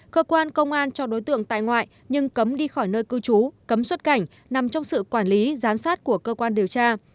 cơ quan công an cho đối tượng tại ngoại nhưng cấm đi khỏi nơi cư trú cấm xuất cảnh nằm trong sự quản lý giám sát của cơ quan điều tra